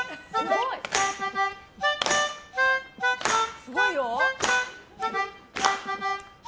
すごいよ。